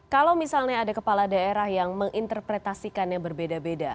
kalau misalnya ada kepala daerah yang menginterpretasikannya berbeda beda